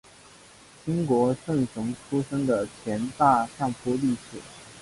清国胜雄出身的前大相扑力士。